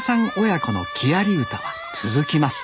親子の木遣り歌は続きます